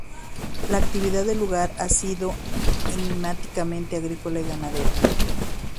La actividad del lugar ha sido eminentemente agrícola y ganadera.